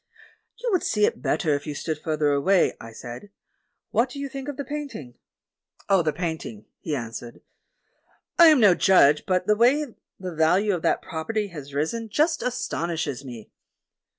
"You would see it better if you stood further away," I said; "what do you think of the paint ing?" "Of the painting," he answered, "I am no judge, but the way the value of that property has risen just astonishes me."